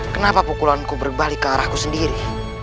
kenapa pukulanku berbalik ke arahku sendiri